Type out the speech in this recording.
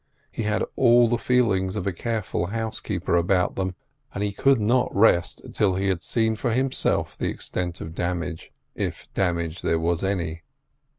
He had all the feelings of a careful housekeeper about them, and he could not rest till he had seen for himself the extent of damage, if damage there was any.